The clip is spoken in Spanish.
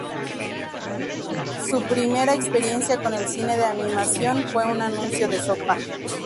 Su primera experiencia con el cine de animación fue un anuncio de sopa.